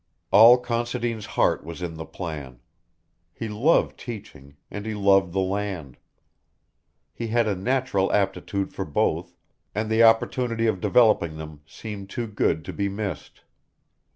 All Considine's heart was in the plan. He loved teaching, and he loved the land. He had a natural aptitude for both, and the opportunity of developing them seemed too good to be missed.